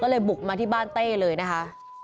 ก็เลยบุกมาที่บ้านเต้เลยนะคะ